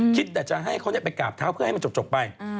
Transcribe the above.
คิดแต่จะให้เขาไปกราบเท้าเพื่อให้มันจบไป